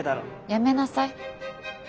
やめなさい。